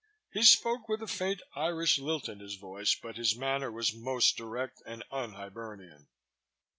He spoke with a faint Irish lilt in his voice but his manner was most direct and unHibernian.